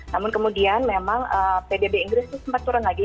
namun kemudian memang pdb inggris itu sempat turun lagi